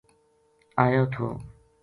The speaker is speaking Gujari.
ایو تھو